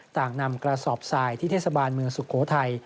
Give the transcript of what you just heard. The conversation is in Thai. ต่างนำกระสอบทรายที่เทศบาลเมืองสุโขทัย